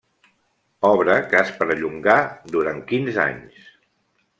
Obra que es perllongà durant quinze anys.